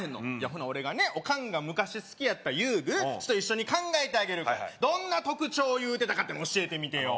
ほな俺がねオカンが昔好きやった遊具ちょっと一緒に考えてあげるからどんな特徴を言うてたかっての教えてみてよ